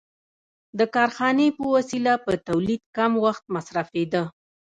د کارخانې په وسیله په تولید کم وخت مصرفېده